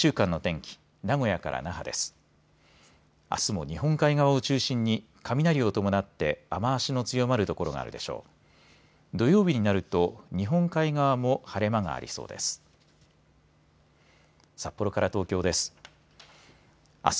土曜日になると日本海側も晴れ間がありそうです。